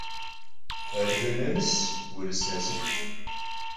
Adıge namıs, vurıs nasıp.